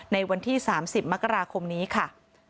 ในวันที่๓๐มกราคมนี้ค่ะ